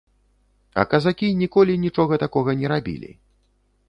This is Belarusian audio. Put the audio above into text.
А казакі ніколі нічога такога не рабілі.